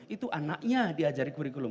itu anaknya diajar di kurikulum